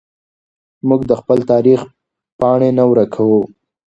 موږ د خپل تاریخ پاڼې نه ورکوو.